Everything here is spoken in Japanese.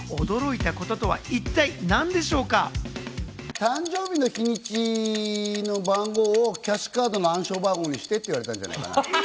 誕生日の日にちの番号をキャッシュカードの暗証番号にしてって言われたんじゃない？